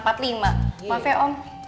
masih ya om